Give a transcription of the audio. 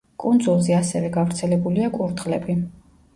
კუნძულზე ასევე გავრცელებულია კურდღლები.